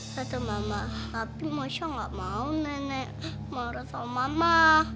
satu mama hapi mosya gak mau nenek marah sama mama